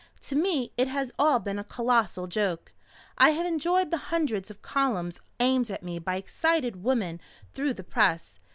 To me it has all been a colossal joke. I have enjoyed the hundreds of columns aimed at me by excited women through the press.